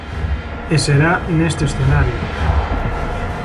E será neste escenario.